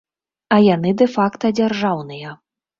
А яны дэ-факта дзяржаўныя.